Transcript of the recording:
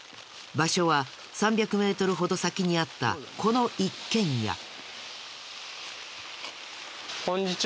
場所は３００メートルほど先にあったこの一軒家。